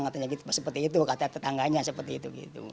katanya seperti itu kata tetangganya seperti itu gitu